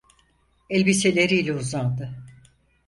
Elbiseleriyle uzandı.